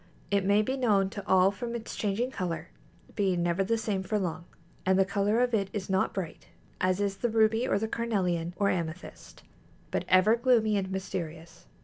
It may be known to all from its changing color, being never the same for long; and the color of it is not bright, as is the ruby or the carnelian or amethyst, but ever gloomy and mysterious.